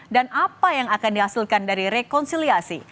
dan apa yang akan dihasilkan dari rekonsiliasi